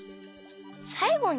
「さいごに」？